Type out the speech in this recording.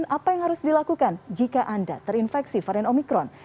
apa yang harus dilakukan jika anda terinfeksi varian omikron